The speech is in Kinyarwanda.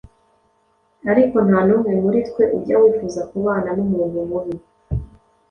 ariko nta n’umwe muri twe ujya wifuza kubana n’umuntu mubi.